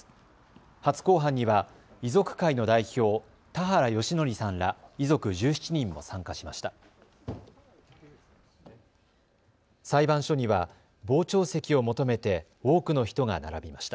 初公判には遺族会の代表、田原義則さんら遺族１７人も参加しました。